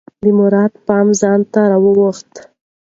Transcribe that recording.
د مراد پام ځان ته راواووخته.